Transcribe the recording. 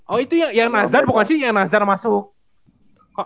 oh itu yang nazar bukan sih yang nazar masuk